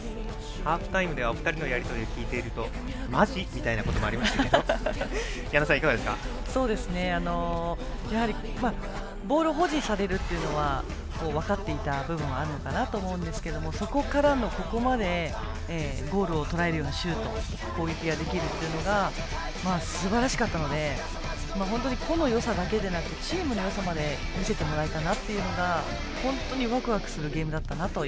ハーフタイムではお二人のやり取りを聞いているとマジ？みたいなこともありましたがボールを保持されるのは分かっていた部分はあるのかなと思うんですけれどもそこからのここまでゴールをとらえるようなシュート攻撃ができるというのがすばらしかったので本当に個のよさだけじゃなくチームのよさまで見せてもらえたなというのが本当にワクワクするゲームだったなと。